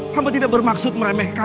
hamba tidak bermaksud meremehkan